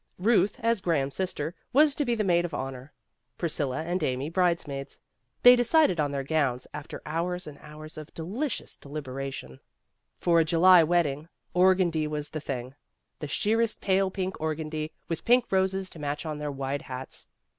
Ruth, as Graham's sister, was to be the maid of honor, Priscilla and Amy bridesmaids. They decided on their gowns after hours and hours of delicious deliberation. 286 PEGGY RAYMOND'S WAY For a July wedding, organdie was the thing the sheerest pale pink organdie, with pink roses to match on their wide hats.